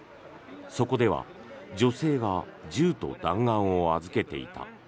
そこでは女性が銃と弾丸を預けていた。